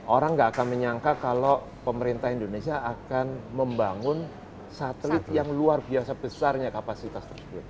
orang nggak akan menyangka kalau pemerintah indonesia akan membangun satelit yang luar biasa besarnya kapasitas tersebut